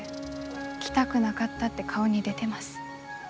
来たくなかったって顔に出てます。